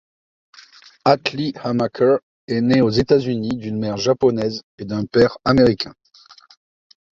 Atlee Hammaker est né aux États-Unis d'une mère japonaise et d'un père américain.